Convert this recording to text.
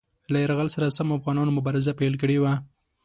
له یرغل سره سم افغانانو مبارزه پیل کړې وه.